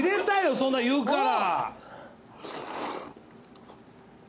そんな言うから。